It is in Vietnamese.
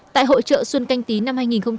tại hội chợ xuân canh tý năm hai nghìn hai mươi